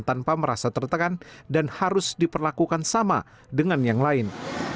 tanpa merasa tertekan dan harus diperlakukan sama dengan yang lain